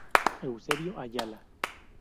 Eusebio Ayala.